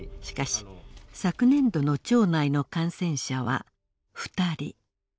しかし昨年度の町内の感染者は２人。